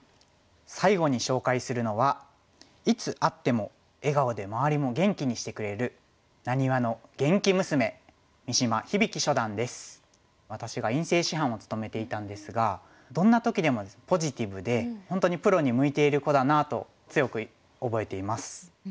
最後に紹介するのはいつ会っても笑顔で周りも元気にしてくれる私が院生師範を務めていたんですがどんな時でもポジティブで本当にプロに向いている子だなと強く覚えています。